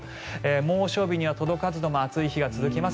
猛暑日には届かずとも暑い日は続きます。